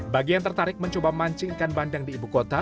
bagi yang tertarik mencoba mancing ikan bandeng di ibu kota